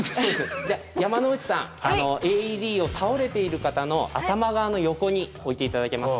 じゃあ山之内さんＡＥＤを倒れている方の頭側の横に置いて頂けますか？